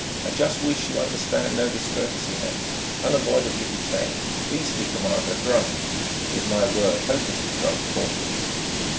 "I just wish you 'understand no discourtesy meant ... unavoidably detained ... beastly commander ... drunk. Give 'my word, hopelessly drunk. Poor fool...."